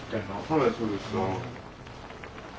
はいそうです。